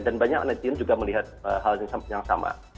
dan banyak netizen juga melihat hal yang sama